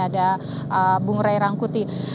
ada bung ray rangkuti